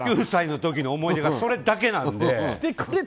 ９歳の時の思い出がそれだけなんで。